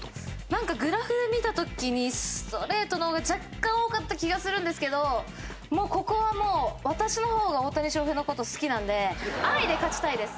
なんかグラフ見た時にストレートの方が若干多かった気がするんですけどもうここはもう私の方が大谷翔平の事好きなんで愛で勝ちたいです。